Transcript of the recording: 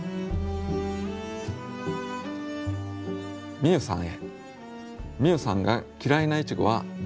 みゆさんへ。